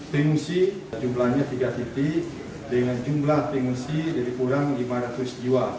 pengungsi jumlahnya tiga titik dengan jumlah pengungsi jadi kurang lima ratus jiwa